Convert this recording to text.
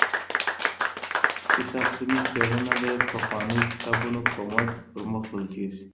کتابتوني څېړنه د پخوانیو کتابونو پر مټ پرمخ وړل کیږي.